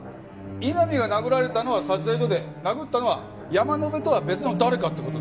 井波が殴られたのは撮影所で殴ったのは山野辺とは別の誰かって事だ。